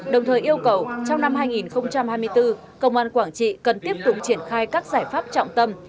đồng thời yêu cầu trong năm hai nghìn hai mươi bốn công an quảng trị cần tiếp tục triển khai các giải pháp trọng tâm